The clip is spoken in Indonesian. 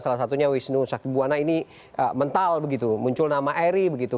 salah satunya wisnu saktibuwana ini mental begitu muncul nama eri begitu